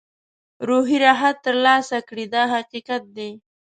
روحي راحت ترلاسه کړي دا حقیقت دی.